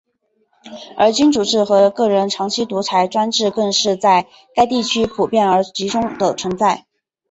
而君主制和个人长期独裁专制更是在该地区普遍而集中地存在。